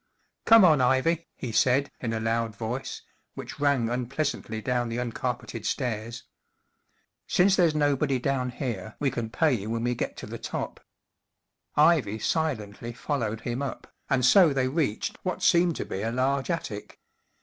“ Come on, Ivy,” he said, in a loud voice which rang unpleasantly down the un¬ carpeted stairs. ‘' Since there's nobody down here we can pay when we get to the top.” Ivy silently followed him up, and so they reached what seemed to be a large attic.